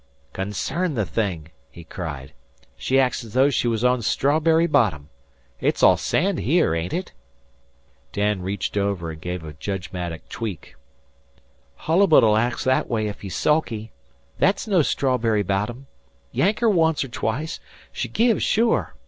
"Concern the thing!" he cried. "She acts as though she were on strawberry bottom. It's all sand here, ain't it?" Dan reached over and gave a judgmatic tweak. "Hollbut'll act that way 'f he's sulky. Thet's no strawberry bottom. Yank her once or twice. She gives, sure.